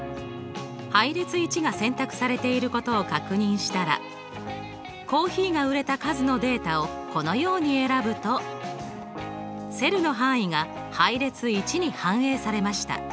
配列１が選択されていることを確認したらコーヒーが売れた数のデータをこのように選ぶとセルの範囲が配列１に反映されました。